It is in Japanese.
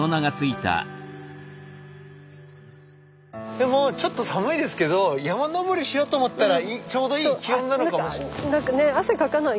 でもちょっと寒いですけど山登りしようと思ったらちょうどいい気温なのかもしれない。